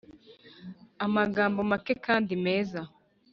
amagambo make kandi meza